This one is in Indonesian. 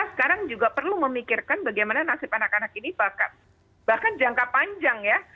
sekarang juga perlu memikirkan bagaimana nasib anak anak ini bahkan jangka panjang ya